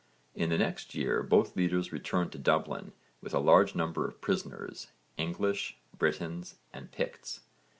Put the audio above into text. In the next year both leaders returned to Dublin with a large number of prisoners English, Britons and Picts.